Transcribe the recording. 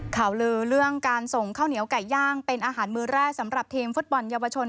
ข่าวลือเรื่องการส่งข้าวเหนียวไก่ย่างเป็นอาหารมือแรกสำหรับทีมฟุตบอลเยาวชน